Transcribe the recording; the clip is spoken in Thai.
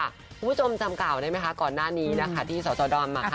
คุณผู้ชมจำกล่าวได้ไหมคะก่อนหน้านี้นะคะที่สสดอมค่ะ